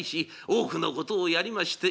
多くのことをやりまして